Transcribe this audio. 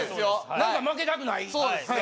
何か負けたくないよね